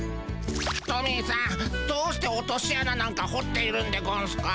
トミーさんどうして落としあななんかほっているんでゴンスか？